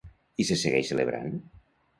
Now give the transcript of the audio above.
I se segueix celebrant?